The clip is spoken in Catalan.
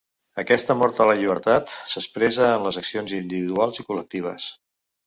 Aquest amor a la llibertat s’expressa en les accions individuals i col·lectives.